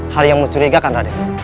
hal yang mencurigakan raden